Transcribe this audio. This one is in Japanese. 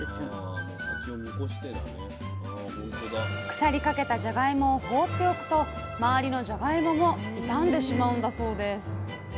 腐りかけたじゃがいもを放っておくと周りのじゃがいもも傷んでしまうんだそうです